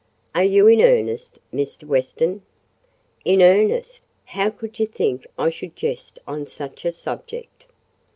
"Are you in earnest, Mr. Weston?" "In earnest! How could you think I should jest on such a subject?"